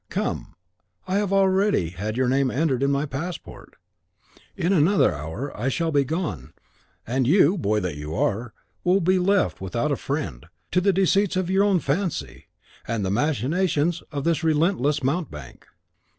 Come; I have already had your name entered in my passport; in another hour I shall be gone, and you, boy that you are, will be left, without a friend, to the deceits of your own fancy and the machinations of this relentless mountebank."